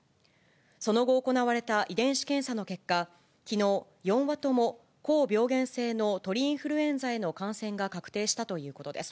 その後行われた遺伝子検査の結果、きのう、４羽とも高病原性の鳥インフルエンザへの感染が確定したということです。